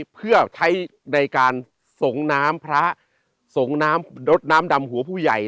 เพื่อใช้ในการส่งน้ำพระสงน้ำรถน้ำดำหัวผู้ใหญ่